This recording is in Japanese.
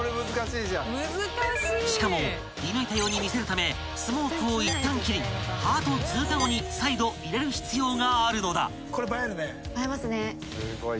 ［しかも射抜いたように見せるためスモークをいったん切りハートを通過後に再度入れる必要があるのだ］